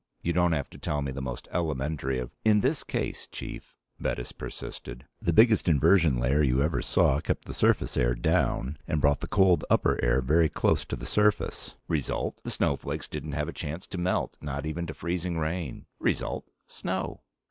You don't have to tell me the most elementary of " "In this case, Chief," Bettis persisted, "the biggest inversion layer you ever saw kept the surface air down and brought the cold upper air very close to the surface. Result: the snowflakes didn't have a chance to melt, not even to freezing rain. Result: snow!"